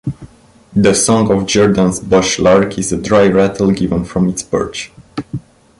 The song of Jerdon's bush lark is a dry rattle given from its perch.